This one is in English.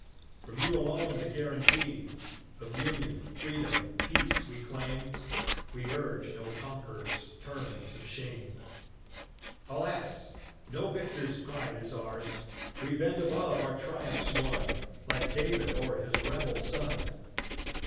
From you alone the guaranty Of union, freedom, peace, we claim; We urge no conqueror's terms of shame. Alas! no victor's pride is ours; We bend above our triumphs won Like David o'er his rebel son.